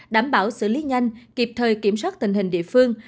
đảm bảo xử lý nhanh kịp thời kiểm soát tình hình địa phương